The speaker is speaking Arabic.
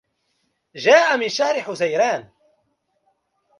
جاء من شهر حزيران